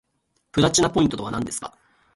プラチナポイントとはなんですか